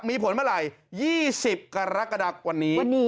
มีผลเมื่อไหร่๒๐กรกฎาวันนี้